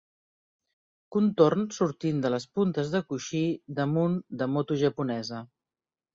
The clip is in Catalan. Contorn sortint de les puntes de coixí damunt de moto japonesa.